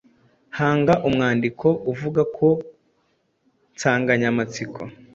hanga umwandiko uvuga ku nsanganyamatsiko